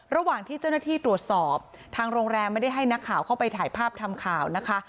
ระหว่างที่เจ้าหน้าที่ตรวจสอบทางโรงแรมไม่ได้ให้นักข่าวเข้าไปถ่ายภาพทำข่าวนะคะ